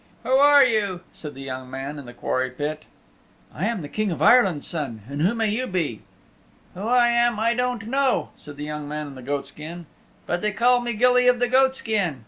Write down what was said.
"Who are you?" said the young man in the quarry pit. "I am the King of Ireland's Son. And who may you be?" "Who I am I don't know," said the young man in the goatskin, "but they call me Gilly of the Goatskin.